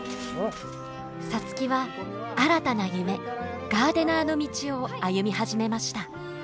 皐月は新たな夢ガーデナーの道を歩み始めました。